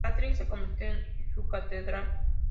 Patrick se convirtió en su catedral.